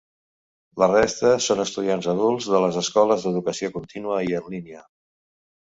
La resta son estudiants adults de les escoles d'educació contínua i en línia.